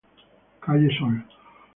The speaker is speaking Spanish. Calle Sol.